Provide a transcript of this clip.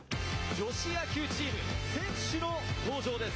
女子野球チーム、選手の登場です。